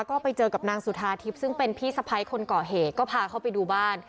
ก็ไปเจอกับนางสุธาทิพย์ซึ่งเป็นพี่สะพ้ายคนก่อเหตุก็พาเข้าไปดูบ้าน